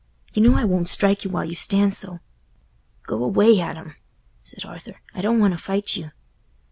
You know I won't strike you while you stand so." "Go away, Adam," said Arthur, "I don't want to fight you."